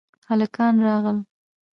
هلکان راغل